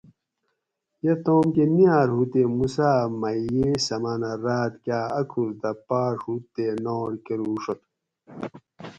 یہ تام کہ نیٔر ہو تے موسیٰ می یش سمانہ راۤت کا اۤ کھُور دہ پاۤڛ ہو تے ناٹ کروڛت